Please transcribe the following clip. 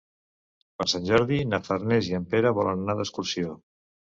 Per Sant Jordi na Farners i en Pere volen anar d'excursió.